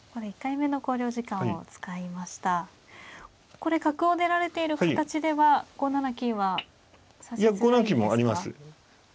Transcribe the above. これ角を出られている形では５七金は指しづらいですか。